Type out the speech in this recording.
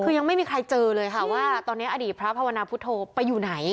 คือยังไม่มีใครเจอเลยค่ะว่าตอนนี้อดีตพระภาวนาพุทธโธไปอยู่ไหน